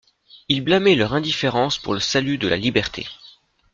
Il blâmait leur indifférence pour le salut de la liberté.